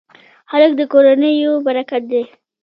هلک د کورنۍ یو برکت دی.